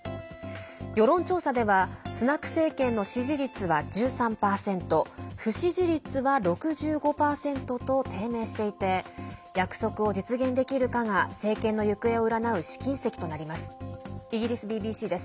世論調査ではスナク政権の支持率は１３％不支持率は６５％と低迷していて約束を実現できるかが政権の行方を占う試金石となります。